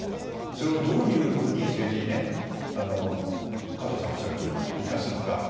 それをどういうふうに政治に加藤さんがおっしゃるとおり生かすのか。